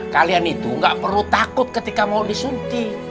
kalian itu gak perlu takut ketika mau disunti